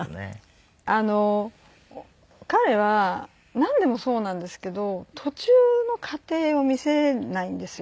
あの彼はなんでもそうなんですけど途中の過程を見せないんですよ。